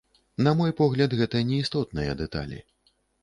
На мой погляд, гэта неістотныя дэталі.